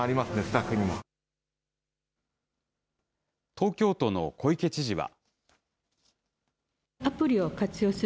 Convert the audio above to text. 東京都の小池知事は。